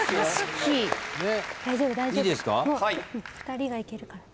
２人がいけるから。